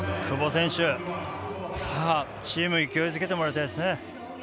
久保選手チーム勢いづけてもらいたいです。